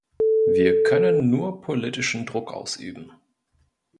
Wir können nur politischen Druck ausüben.